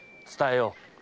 伝えよう。